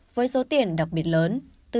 với số tiền đặc biệt lớn